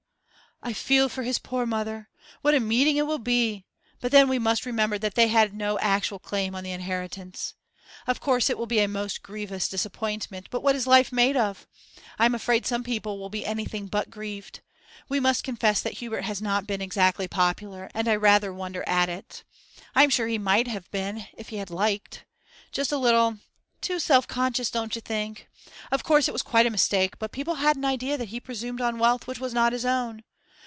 'I feel for his poor mother. What a meeting it will be! But then we must remember that they had no actual claim on the inheritance. Of course it will be a most grievous disappointment, but what is life made of? I'm afraid some people will be anything but grieved. We must confess that Hubert has not been exactly popular; and I rather wonder at it; I'm sure he might have been if he had liked. Just a little too too self conscious, don't you think? Of course it was quite a mistake, but people had an idea that he presumed on wealth which was not his own.